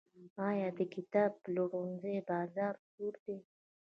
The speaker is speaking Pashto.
آیا د کتاب پلورنځیو بازار سوړ دی؟